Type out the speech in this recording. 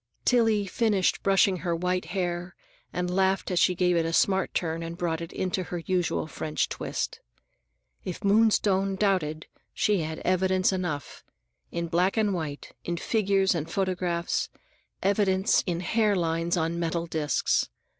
Tillie finished brushing her white hair and laughed as she gave it a smart turn and brought it into her usual French twist. If Moonstone doubted, she had evidence enough: in black and white, in figures and photographs, evidence in hair lines on metal disks.